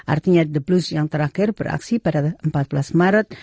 artinya the plus yang terakhir beraksi pada empat belas maret